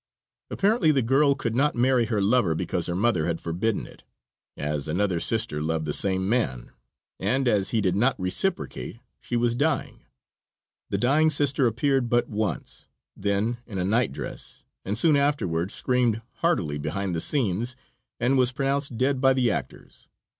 Apparently the girl could not marry her lover because her mother had forbidden it, as another sister loved the same man, and as he did not reciprocate she was dying; the dying sister appeared but once, then in a nightdress, and soon afterward screamed heartily behind the scenes and was pronounced dead by the actors.